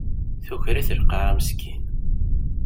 Tuker-it lqaɛa meskin.